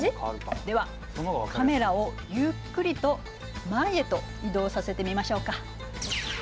ではカメラをゆっくりと前へと移動させてみましょうか。